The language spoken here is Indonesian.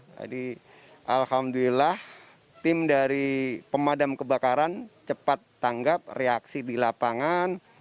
jadi alhamdulillah tim dari pemadam kebakaran cepat tanggap reaksi di lapangan